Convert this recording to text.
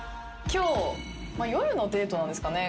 今日夜のデートなんですかね？